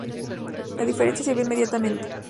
La diferencia se vio inmediatamente.